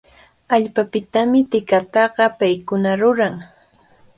Allpapitami tikataqa paykuna ruran.